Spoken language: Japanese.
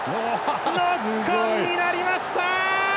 ノックオンになりました！